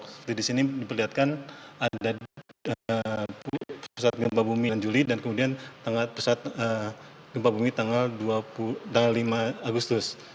jadi di sini diperlihatkan ada pusat gempa bumi tanggal dua puluh sembilan juli dan kemudian pusat gempa bumi tanggal lima agustus